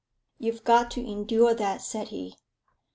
"You've got to endure that," said he.